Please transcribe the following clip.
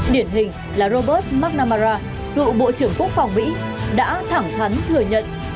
điển hình là robert mrnamara cựu bộ trưởng quốc phòng mỹ đã thẳng thắn thừa nhận